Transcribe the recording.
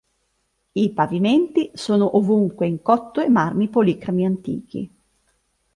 I pavimenti sono ovunque in cotto e marmi policromi antichi.